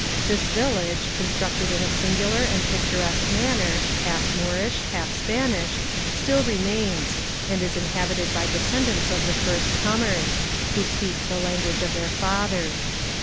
This village, constructed in a singular and picturesque manner, half Moorish, half Spanish, still remains, and is inhabited by descendants of the first comers, who speak the language of their fathers.